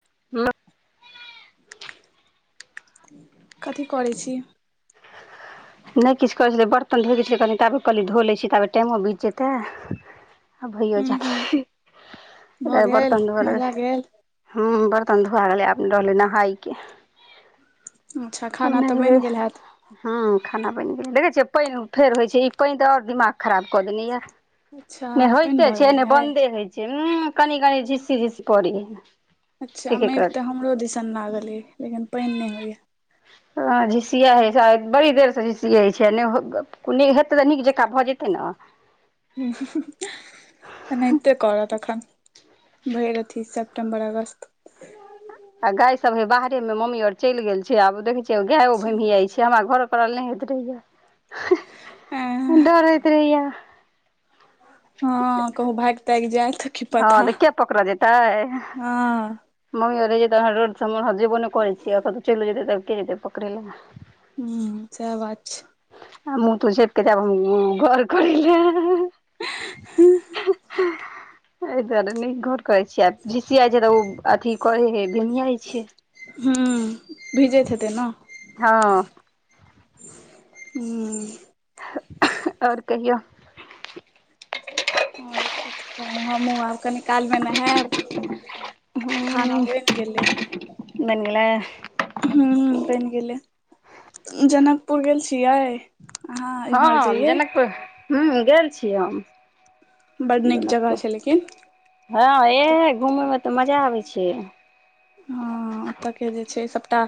[inaudible] कथी करै छी? नै किछ करै छलिय बर्तन धोइ के छले कहलि ताबे कनि धो लै छी ताबे टाइमो बीत जेतै। आ भइयो हूँ हूँ जेएत भऽ आइ गेल बरतन धुअ मजा लगलियै। गेल हूॅं बरतन धुवेए गेलै आब रहलै नहाइ के। अच्छा हम खाना नै तऽ जेबै बनि गेल हैत हँअ। खाना बनि गेल, देखै छियै पाइन फेर होइ छै ई पाइन तऽ आओर दिमाग खराब कऽ देने येए। अच्छा ने पानि होइते छै भरल ने यै बन्दे होइ छै उं कनि - कनि झिस्सी - झिस्सी पड़ै अच्छा एक एक मेघ रति त हमरो दिसन लागल अइ लेकिन पाइन नै होइये। हॅं झिसियाइ हइ छै बड़ी देर से झिसियाइ छै ने नीक हेतै तऽ नीक जकाँ भऽ जेतै न। एनाहिते करत अखन। भरि अथी सेप्टेम्बर, अगस्त। आ गाय सभ हइ बाहरे मे मम्मी आर चलि गेल छै आब देखै छियै गेएओ अच्छा भमहियाइ छै हमरा घर करल नै होइत रहैये एं डर होइत रहैये। हँ कहूं भाइग - ताइग जेएत। हँ त के पकड़ऽ जेतै। हँ। मम्मी आर रहै छै तखन रोड सब हम जइबो नै करै छियै कतहु चइलो जेतै त के जेतै पकड़ै ले। हूं सेएह बात छै। आब मुंह- तुंह झांपि के जेएब हम घर करैले। [inaudible] अइ दुआरे नै घर करै छियै आ झिसियाइ छै तऽ ओ अथी कहै है भमहियाइ छै। हूं उं भीजैत हेतै न। हँ। हूँ। आओर कहियौ? आओर कथि कहू हमहु आब कनी काल मे नहेएब। खाना बइन गेलै। बनि गेलै? हूॅं बनि गेलै। जनकपुर गेल छी यै? हँ हॅं हम जनकपुर हूॅं गेल छी हम बड नीक जगह जनकपुर। छै लेकिन हँ एंह घूमै मे तऽ मजा अबै छै। हँ ओतऽ के जे छै से सबटा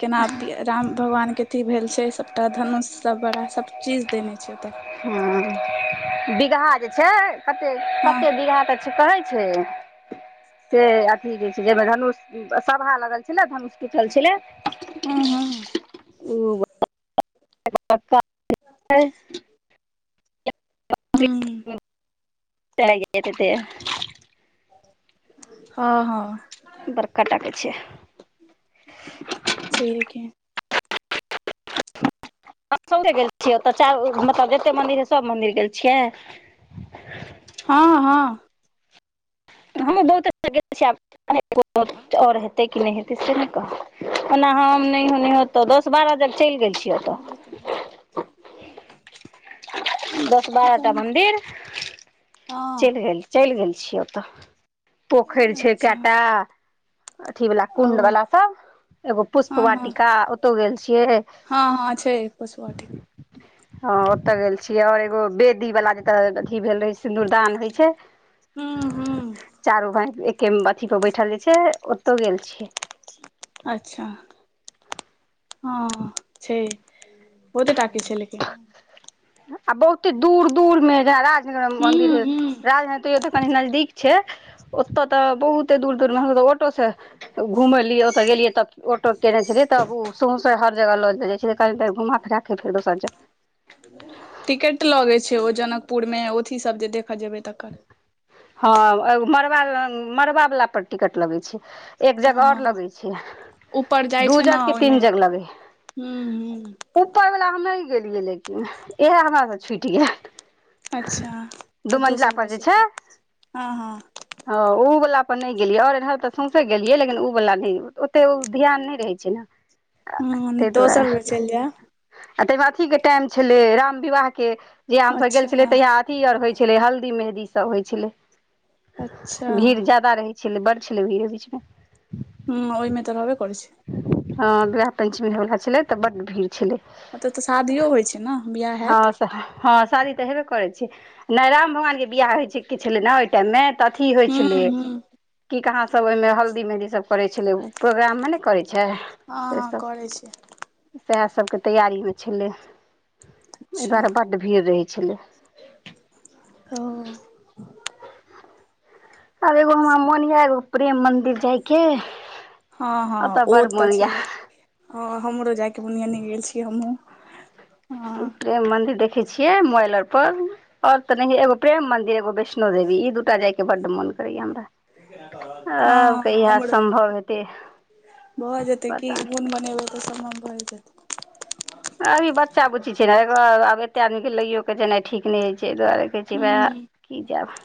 केना राम भगवान के अथी भेल छै सबटा धनुष सँ बड़ा सभ चीज देने छै ओतऽ। हॅं बीगहा जे छै कते - हँ कते बीगहा तऽ से कहै छै से अखनी जे छै जइमे धनुष सभा लागल छलै त हम पुछल छलै। हँ हँ [inaudible] हूँ त [inaudible] ह ह। बड़का टा के छै। छइहे की। ओम्हरे गेल छियै? ओतय चारु मतलब जते मंदिर रहै सब मंदिर गेल छियै। हॅं हॅं। हमहूँ बहुते जग गेल छीयै आब। ओर हेतै की नै हेतै से नै कहब ओना हम नै। ओनेहियो तऽ दस बारह जग च‌इल गेल छियै ओतऽ। दस बारहटा मन्दिर चैल हँ गेल। चैल गेल छियै ओतऽ पोखेर छैय अच्छा कएटा। अथी बला ओ कुण्ड बला सब। एगो हँ पुष्प हँ वाटिका ओतौ गेल छियै। छैय पुष्प वाटिका। हँ ओतऽ गेल छियै और एगो वेदी वला जतय अथी भेल रहे सिन्दूरदान होइ छैय। हूँ, हूँ। चारो भाय एके अथी पर बैठल जे छै ओतौ गेल छियै। अच्छा हँ छैय बहुतेटा के छैय लेकिन। आ बहुते दूर- दूर में जहां राजनगर मंन्दिर हूँ है हूँ राजनगर त‌इयो तऽ कनी नजदीक छैय ओतऽ तऽ बहुते दूर -दूर मे हमलोग ऑटो से घुमलियै ओतऽ गेलियै तब। ऑटो केयने छेलियै तब ओ स‌उसो हर जगह लअ जाइ छलियै कनि देर घुमा फिराे फेर दोसर जगह। टिकेट लगे छैय ओ जनकपुर मे अथी सब जे देखऽ जेबै तऽ। हँ मड़वा मड़बा वाला पर टिकट लगे छैय एक जगह हँ और लगेै। ऊपर जाइ दू छै ने जग की तीन ओहिमे जग लगै हूं हूं है। ऊपरवला हम नै गेलियै लेकिन इहे हमरा सँ छुइट गेएल। अच्छा तऽ दोसर बेर चैल जेएब हँ, हँ। हँ उ वाला पर नै गेलियै और एन्हर त सौंसे गेलियै लेकिन उ वाला नै ओते ओ ध्यान नै रहेै छैय न। [unintelligible] हूं तैय दोसर बेर चलि जायब दुआरे तैय मे अथीके टाइम छेल्लै राम विवाहके। जहिया हम सब गेल छेलियै अच्छा तहिया अथी और होय छेलै हल्दी मेहदी सब होय छेलै। अच्छा भीड़ जादा रहै छेलै बड़ छेलै भीर ओय बीचमे। हूँ ओयमे तऽ रहबे करे छैय। हँ विवाह पंचमी होइ बला छेलै तऽ बड भीर। ओतऽ तऽ शादियो होय छैय नऽ बिआह हेएत। तऽ हँ शादी तऽ हेबे करै छैय नाय राम भगवानके बियाह होय छै किछ नेै। टाइम मे तऽ अथी होय हूं छेलै। हूं की कहां सब ओय मे हल्दी मेहदी सब करेै छेल्लै ओ प्रोग्राम मे नेैय करै। छै हँ हँ सेसब करै छै सएह सबके तैयारी होइ छेल्लै। एहि अच्छा दुआरे बड्ड भीर रहै छेल्लै। ओ आब एगो हमरा मोन या एगो प्रेम मंदिर जायके। हँ हँ ओतऽ ओ बड़ तऽ मोन छैय यऽ हँ हमरो जायके मोन या नै गेल छी हमहुँ। प्रेम मन्दिर देखेै छियै मोबाइल और पर। और तऽ नहिये एगो प्रेम मन्दिर एगो वैष्णो देवी ई दूटा जायके बड्ड मोन करैय या हमरा। आब हँ कहिया हमरो संम्भव हेतै पता नै। हम बनेबेैय। [unintelligible] अभी बच्चा बुच्ची छै ने आब एते आदमीके लैयो के जेनाइ ठीक नै होइ छै एहि दुआरे। कहेै छी भेए हूँ की जेब।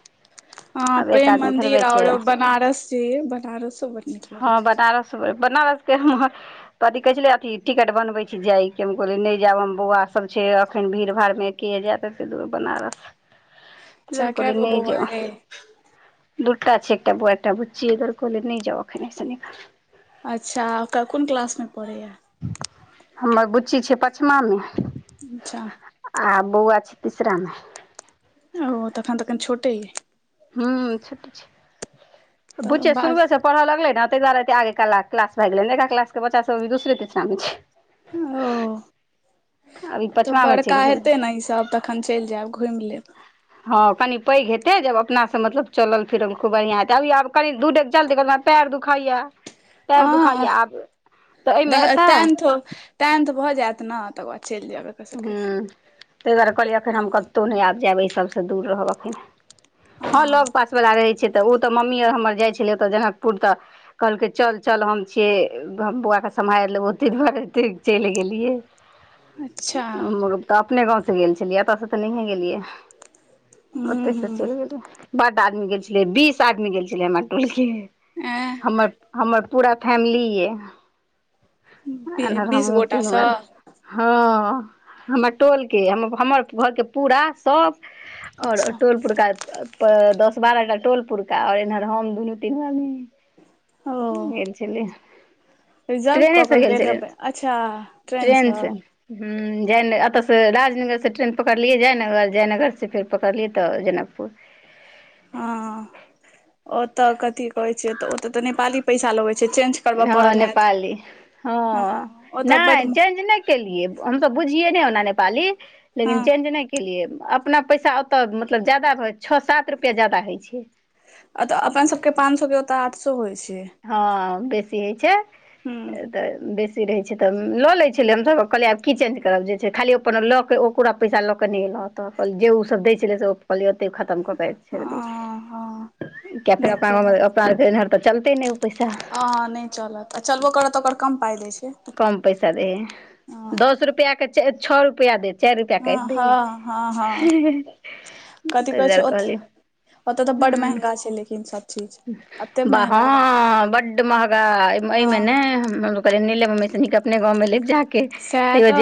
हँ प्रेम मन्दिर और बनारस जे अइ बनारसो बड़ नीक लगै हँ छै जाय मे। बनारस बनारस के हमर पति कहै छलै, अथी टिकट बनबै छी जाइ के हम कहलियै नहि जायब हम, बौआ सब छै अखन भीड़ -भाड़ में के जायत एते दूर बनारस। ह [inaudible] तैऽ दुआरे कहलियै नै जायब। दूटा छै एकटा बौआ एकटा बुच्ची ऐ दुआरे कहलिये नै जायब अखन ओई से निक। अच्छा ओ कोन क्लास में पढ़ैया। हमर बुच्ची छै पचमां में। अच्छा! आ बौआ छै तीसरा में। ओ तखन त अखन छोटे ऐ। हूं छोटे छै, तऽ बुचिया शुरुये बाद से पढ़ऽ लगलै ने ताहि दुआरे एते आगे कला- क्लास भाइग गेले, एकर क्लास के बच्चा सब दुसरे -तीसरे में छै। ओ। अभी तऽ पचमा मे चलि बड़का गेलै हेतै ने ईसभ तखन चलि जायब घुमि लेब। हँ कनि पैघ हेतै जब अपना से मतलब चलल- फिरल खूब बढ़िआँ हेतै, आ आब क दू डेग चलतै तेकर बाद पैर दुखाइया- पैर हँ दुखाइया आब तऽ एहिमे हेतै। तऽ। टेन्थ भऽ जायत नें तकर बाद चलि जायब। एकर सबके हूं तै दुआरे कहलियै एखन हम कतहु नहि जायब, एहि सभसँ दूर रहब एखन। हँ लग पास वला रहैत छैै तऽ ओ तऽ मम्मी आर हमर जाइ छलै ओतऽ जनकपुर तऽ। कहलकै चल- चल हम छियौ, बौआके सम्हारि लेबौओते दुआरे एतेक चलि गेलियै। अच्छा! तऽ अपने गाँंव से गेल छलियै, एत से तऽ नहि गेलियै, हूँ ओते से हूँ चलि गेलियै। बड आदमी गेल छेलै। बीस आदमी गेल छेलै हमर टोल के हमर पूरा फैमिलीये आ ऐं इनहर बीस हमहूं तीन गोटासँ गोरा। हँ हमर टोल के हमर घरके पूरा सभ और अच्छा टोल पुरका, दस बारह टा टोल पुरका और इन्हर हम दुनू तीनू आदमी। ओ गेल छेलियै। रिजर्व कऽ के गेल हेबै अच्छा ट्रेनसँ। ह जयनग एतऽसँ राजनगरसँ ट्रेन पकड़लियै जयनगर जयनगरसँ फेर पकड़लियै तऽ जनकपुर। हँ ओतऽ कथी कहै छै, तऽ ओतऽ तऽ नेपाली पैसा लगैत छै चेंज करबऽ हँ पड़ल हैत नेपाली, हँ ओतऽ बड नहि चेंज नै केलिय हमसे बुझिये नै ओना नेपाली, हँ लेकिन चेंज नै केलिय। अपना पैसा ओतऽ मतलब ज्यादा भऽ छओ- सात रुपैआ जादा होइ छै। अतऽ अपन सभके पाँच सौ के ओतऽ आठ सौ होइ छै। हँ बेसी होइ छै। हूँ तऽ बेसी रहैत छै तऽ लऽ लैत छलै हमसभ कहलियै आब की चेंज करब जे छै खाली ओ अपन लऽ केऽ ओपूरा पैसा लऽ कऽ नहि एलहुँ एतऽ, जे ओ सब दै छलै से ओ कहलियै ओतै खतम कऽ के हँ हँ आयब किया फेर नहि अपना केलक गवनार तऽ चलते नहि ओ पैसा। हँ नहि चलत, आ चलबो करत तऽ ओकर कम पाइ दै छै। कम पैसा दे हे, हँ दस रुपआ के छः रुपया देत। चारी रुपया काइट हँ दही, हँ हँ हँ तै दुआरे कहलियै। ओतय तऽ बड महँंगा छै लेकिन सभ चीज। एते महंगा हं बड्ड मंहगा, ऐ में हँ ने हम सब कहलिय नै लेब हम ऐसे निक। अपने गाँवमें लेब जाकऽ। साॅह त ओ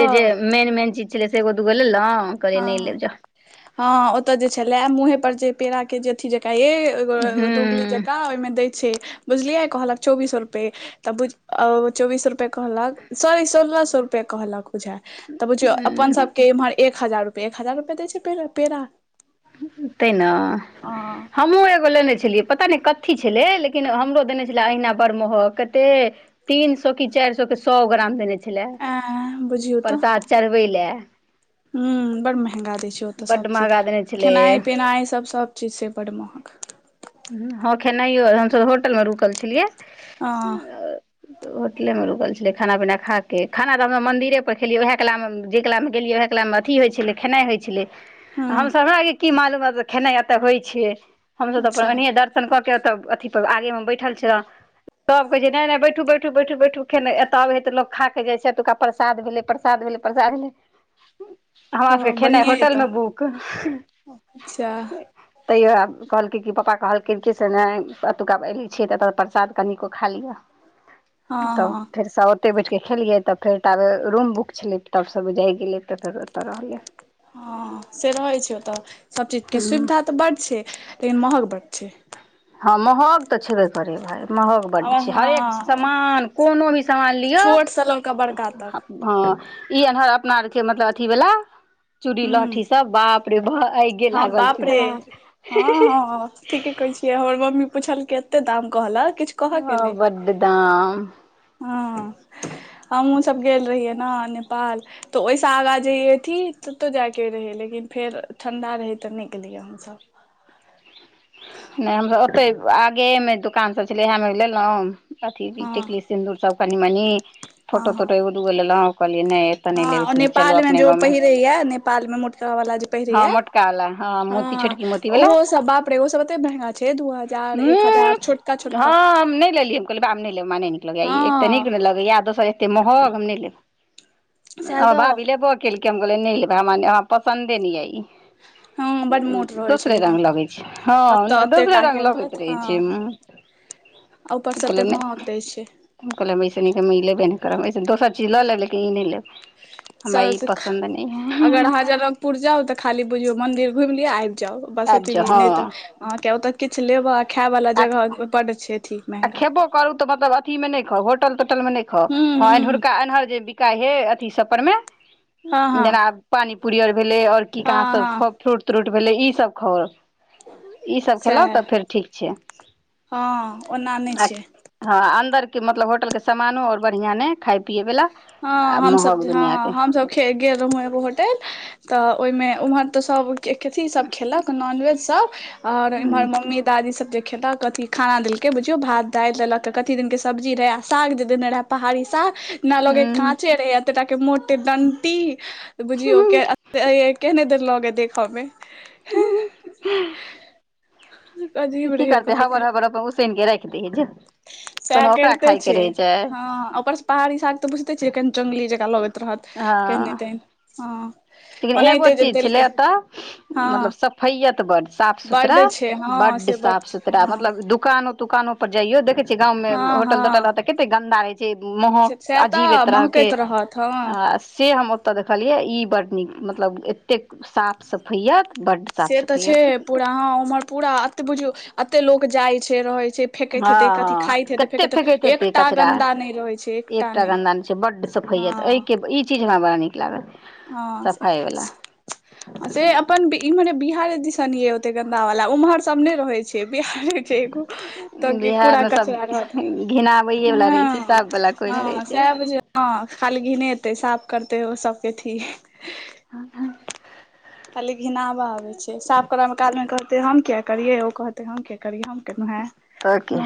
मेन-मेन चीज छेलै से एगो-दूगो लेलौ ह हँ ओतय जे छेला मुँहे पर जे पेड़ा के जे अथी जक ये। एगो दोगली हूँ जका ओय में दैय छै बुझलियै कहलक चौबीस सौ रूपये त बुझ औ चौबिस रुपैये कहलक सौरी सोलह सौ रुपैये कहलक बुझाय या तऽ बुझियौ अपन सब हूँ के इम्हर एक हजार रुपआ एक हजार रुपये दै छैे पेड़ा। तेैय न हमहुँ एगो लेने छेलियै। पता नैय कथी छेलै लेकिन हमरो देने छेलै अहिना बड़ महग कते। तीन सौ के चैर सौ के सौ ग्राम देने छैय। छेला अ बुझियौ प्रसाद चढ़बै लेए। हँ बड़ मँहगा दै छै ओतऽ बड्ड सबचीज महगा देने छलै खेनाइ-पिनाइ सब चीज छै बड़ मँहग। हँ खेनाइयो हम सब होटल मे रुकल छेलियै। हँ होटले मे रुकल छेलिलै खाना पीना खा के खाना तऽ हम मन्दिरे पर खेलियै ओएह काल मे जय कलामे गेलियै ओएह कलामे। अथी होय छेलै खेनाय होय छेलै। हँ त हमरा और के की मालूम खेनाय एते होय छैय हम सब त अच्छा अपन दर शन कऽ के ओतऽ अथी पर आगे मे बैठल छेलौ। सब कहै छै नैय-नैय बैठू-बैठ-बैठू-बैठूे खेंने एतऽ अबै हैय तऽ लोक खाऽ के जाय छै एतुका प्रसाद भेलै, प्रसाद भेलै, प्रसाद भेलै। हमरा सबके खेनाय बढ़िए ह होटल तऽ मे बुक अच्छा ह [unintelligible] तैयो आब कहलकै कि पापा कहलखिन कि से नैय एतुका एले छियै त प्रसाद कनिको खा लिअ। हँ तऽ हँ फेर साउ ओते बैठ के खेलियै तऽ फेर तब रूम बुक छेलै तब सब जायगेलियै तऽ फेर ओतऽ रहलियै। हँ से रहै छैय ओतऽ सब चीजके सुविधा तऽ बड छैय लेकिन महग बड छैय। हँ महग तऽ छेबे करै भाय। महँग बड्ड हमर छै हरेक हँ समान कोनो भी समान लिअ। छोट से लऽ कऽ बड़का तक हँ ई एन्हर अपना आरके मतलब अथी वाला चूड़ी हूँ लहठी सब बाप रे बा आयगे हँ लागल बाप रे जेना हँ [unintelligible] हँ ठीके कहेै छियै हमर मम्मी पूछल कै एते दाम कहलक किछ हं बड दाम हँ हमहूँ सब गेल रहियै न नेपाल तऽ ओय स आगा जे या अथी ततो जाय के रहेै लेकिन फेर ठंडा रहे तऽ नै गेलियै। या आहाँ सब। नैय हम सब ओते आगेए मे दुकान सब छेलै इए मे लेलौ अथि हँ टिकली सिंदूर सब कनी-मनी हँ फोटो-तोटो एगो दुगो लेल कहलिेयै नेैय [unintelligible] हँ नेपाल मे जे पहिरे या नेपाल मे मोटक वाला जे पहिरे हँ या मोटका वाला मोती हँ छोटकी ओहो सब बपरे ओ सब एते महंगा छै दू हजार एक हजार छोटका उ छोटका हँ नैय लेलियै कहलियै बे हम नैय लेब हमरा नैय नीक एक त नीक हँ नेै लगैया दोसर एते महग हम नैय लेब सएह [unintelligible] भाभी तऽ लेबे केलकै हम कहलियै नैय लेब हमरा पसंन्दे न या इ हँ बड मोट रहै छै दोसरे लेकिन रंग लगेै। ओतऽ हँ ओते दोसरे रंग टाके लगैत रहत रहै हँ छैय म आ ऊपर सँ एतेक महग दैय छैय। हम कहलियै हम ऐसेनीक हम इ लेबे नैय करबै एसे दोसर चिज ल लेब लेकिन ई नैय लेब हमरा ई पसंन्द नैय हें-हें पुर जाउ त खाली बुझियौ मन्दिर घुइम लिअ आइब जाउ बस आबि जाउ एतबी हँ नैय त अहाँके ओतऽ किछ लेबऽ आ खाय बला आ जगह पर बड्ड छैय अथी आ महंगा खेबो करू त मतलब अथीमे नय खाउ होटल तोटलमे नय खाउ, हूं ह एम्हर हूं एम्हर जे बिकाय हइ अथी सब पर मे हँ हँ जेना पानी पूरी और भेलेै और की कहाँ हँ सब हँ फ्रूट त्रूट भेलैय इ सब खाउ इ सब खेलौ सएह तब फेर ठीक छैय। हँ ओना नय छैय। हँ अन्दरके मतलब होटलके समानो और बढ़िया नय खाय-पियए वला। हँ आ हम सभ, महग दुनिया हँ के हम सभ खे गेल रहौं एगो होटल त ओय मे उम्हर त सब के कथी सब खेलक क नॉनवेज सब और इम्हर मम्मी दादी सब जे खेलक कथी खाना देलकैय बुझियौ भात दाइल देलक कथी दिनके सब्जी रहैय आर साग जे देने रहै पहाड़ी साग जेना लगैय हूँ त रहैय एत्ते टा के मोटे डंटी बुझियौ के हूँ केहने दन लगैय देखऽ मे। अजीब की रहै ओकर करतै सबके हबर-हबर अपन उसैन के राइख दै हइ जो। सएह कइरते छैय हँ ऊपर स पहाड़ी साग त बुइझते छियै केहनि जंगली जंका लगैत रहत। केहने हँ। तेहन हँ। लेकिन एगो ओनाहिते जे चीज देलकै छेलैय एतऽ मतलब हँ सफैअत बड बड्ड साफ-सुथरा छै हँ बड्ड से बड साफ सुथरा हँ मतलब दुकानो-तुकानो पर जाइयो देखैय छियै गाममे हँ होटल-तोटल हँ रहत त कते गन्दा रहैय छैय जे महक सएह अजीबे तऽ तरहके महकैत रहत हँ आ से हम ओतऽ देखलियै इ बड नीक मतलब एतेक साफ-सफैयत बड्ड। साफ से त सफैयत छैहे पूरा हं उम्हर पूरा एते बुझियौ एते लोक जाय छैय रहैय छैय फेकैत हँ हेतैय कथी खाइत हँ हेतै कते फेकैत हेतय हेतै एकटा कचरा गन्दा नय रहैय छैय एकटा नय। गन्दा नहि बड्ड सफैअत एहिके इ चीज हमरा बड नीक लागल। हँ सफाइ वला से-से। आ से अपन इम्हरे बिहारे दिसन यै ओते गन्दा वला उम्हर सब नय रहैय छैय। बिहारे छैय एगो त कि बिहारमे सब कूड़ा-कचरा रहत घिनाबैये वला रहै छै हँ। सब वला कोइ नहि रहै हँ छै सएह बुझियौ हँ खाली घिनैतय साफ करतैय ओ सब केथी। [inaudible] खाली घिनावा आबैय छैय साफ करऽ मे कहाँदैन कहतैय हम किया करियए ओ कहतैय हम किया करियै हम केलौ हैं। त की।